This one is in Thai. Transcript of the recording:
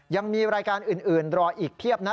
ยังมีรายการอื่นรออีกเพียบนะ